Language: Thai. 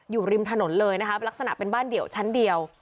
อยู่ริมถนนเลยนะคะลักษณะเป็นบ้านเดี่ยวชั้นเดียว